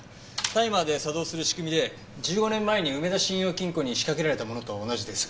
タイマーで作動する仕組みで１５年前に梅田信用金庫に仕掛けられたものと同じです。